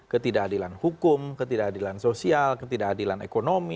ketidakadilan hukum ketidakadilan sosial ketidakadilan ekonomi